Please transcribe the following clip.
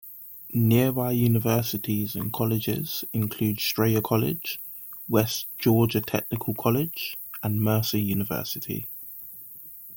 Nearby universities and colleges include Strayer College, West Georgia Technical College, and Mercer University.